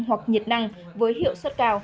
hoặc nhiệt năng với hiệu suất cao